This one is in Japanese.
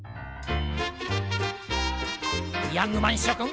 ヤングマンしょくん